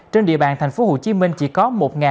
trên địa bàn tp hcm chỉ có